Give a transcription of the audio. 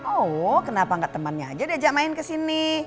oh kenapa gak temannya aja diajak main kesini